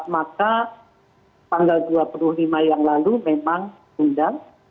maka tanggal dua puluh lima yang lalu memang diundang